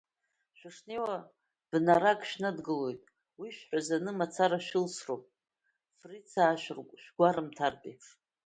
Шәышнеиуа бна-рак шәнадгылоит, уи шәҳәазаны мацара шәылсроуп, фрицаа шәгәарымҭартә еиԥш.